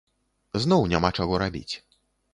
Зноў няма чаго рабіць.